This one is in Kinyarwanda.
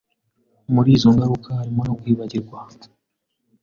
muri izo ngaruka harimo no kwibagirwa